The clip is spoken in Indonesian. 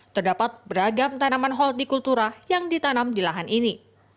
terdapat beragam tanaman holtikultura yang ditanam di lahan ini